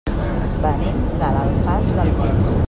Venim de l'Alfàs del Pi.